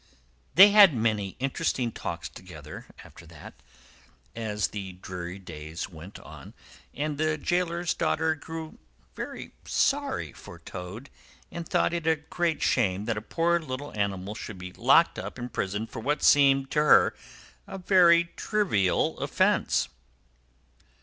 They had many interesting talks together, after that, as the dreary days went on; and the gaoler's daughter grew very sorry for Toad, and thought it a great shame that a poor little animal should be locked up in prison for what seemed to her a very trivial offence.